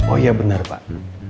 oh iya benar pak